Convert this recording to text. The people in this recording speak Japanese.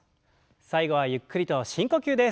最後はゆっくりと深呼吸です。